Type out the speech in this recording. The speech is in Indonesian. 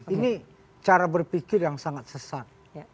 ini cara berpikir yang sangat sesat